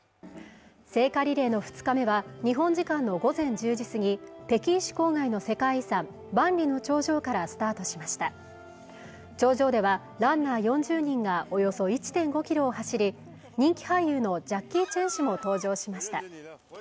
聖火リレーの２日目は日本時間の午前１０時過ぎ北京市郊外の世界遺産万里の長城からスタートしました長城ではランナー４０人がおよそ１．５キロを走り人気俳優のジャッキー・チェン氏も登場しました